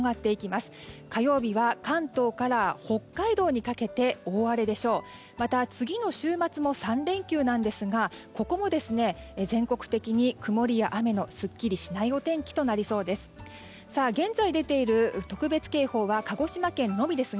また、次の週末も３連休なんですがここも全国的に曇りや雨のすっきりしないお天気となりそうです。